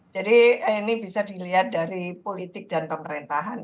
jadi ini bisa dilihat dari politik dan pemerintahan